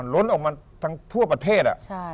ล้นออกมาทั้งทั่วประเทศ